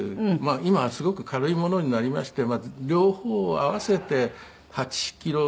今はすごく軽いものになりまして両方を合わせて８キロ。